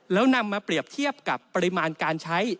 แล้วนำมาเปรียบเทียบกับปริมาณการใช้